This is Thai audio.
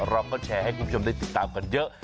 เราก็แชร์ให้คุณผู้ชมได้ติดตามกันเยอะ